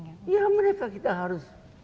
dia berusia dua belas tahun